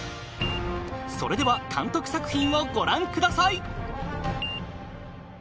それでは監督作品をご覧ください